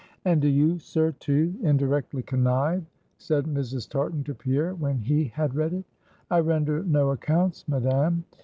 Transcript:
"And do you, sir, too, indirectly connive?" said Mrs. Tartan to Pierre, when he had read it. "I render no accounts, madam.